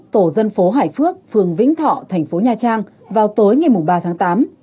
tổ dân phố hải phước phường vĩnh thọ thành phố nha trang vào tối ngày ba tháng tám